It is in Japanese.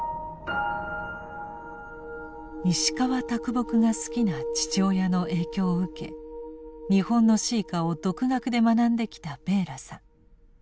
石川木が好きな父親の影響を受け日本の詩歌を独学で学んできたベーラさん。